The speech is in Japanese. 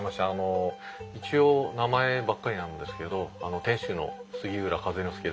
あの一応名前ばっかりなんですけど店主の杉浦風ノ